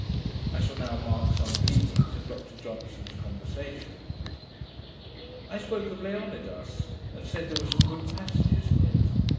I shall now mark some gleanings of Dr Johnson's conversation. I spoke of Leonidas, and said there were some good passages in it.